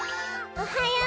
おはよう！